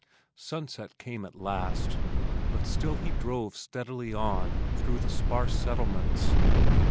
Sunset came at last, but still he drove steadily on through the sparse settlements.